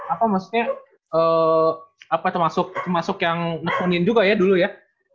apa maksudnya apa termasuk yang nekunin juga ya dulu ya